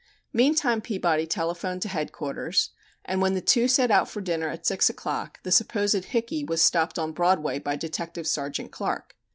Meantime Peabody telephoned to Headquarters, and when the two set out for dinner at six o'clock the supposed "Hickey" was stopped on Broadway by Detective Sergeant Clark.